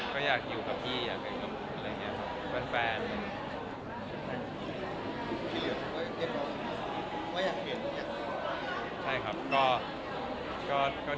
ก็อยากอยู่กับข